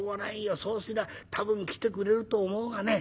そうすりゃ多分来てくれると思うがね。